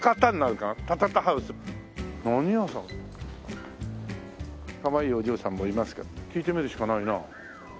かわいいお嬢さんもいますけど聞いてみるしかないなあ。